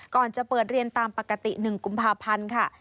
ก่อนจะเปิดเรียนตามปกติ๑กุมภาพันธ์ค่ะ